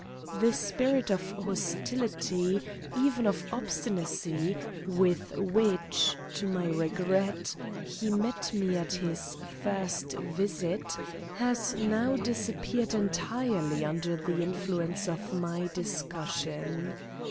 The spirit of hostility, even of obstinacy, with which, to my regret, he met me at his first visit, has now disappeared entirely under the influence of my discussion.